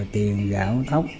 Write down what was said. tiền gạo tóc